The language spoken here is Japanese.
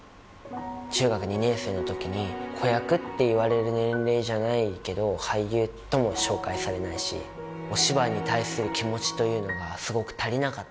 中学２年生の時に子役っていわれる年齢じゃないけど俳優とも紹介されないしお芝居に対する気持ちというのがすごく足りなかった。